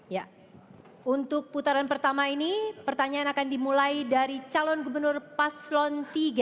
ya untuk putaran pertama ini pertanyaan akan dimulai dari calon gubernur paslon tiga